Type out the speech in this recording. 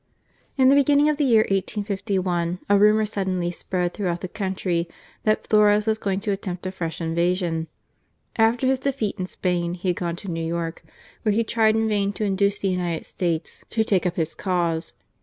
In the beginning of the year 1851, a rumour suddenly spread throughout the country that Flores was going to attempt a fresh invasion. After his defeat in Spain, he had gone to New York, where he tried in vain to induce the United States to take up his cause.